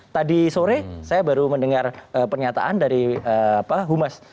tadi sore saya baru mendengar pernyataan dari humas